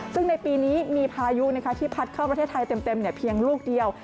ซึ่งในปีนี้มีพายุที่พัดเข้าประเทศไทยเต็มเพียงลูกเดียว